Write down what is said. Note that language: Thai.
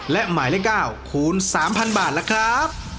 และหมายเลข๙คูณ๓๐๐บาทล่ะครับ